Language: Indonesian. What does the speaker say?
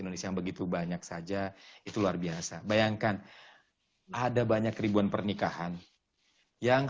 indonesia yang begitu banyak saja itu luar biasa bayangkan ada banyak ribuan pernikahan yang